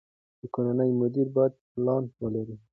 د کورنۍ مدیر باید پلان ولري.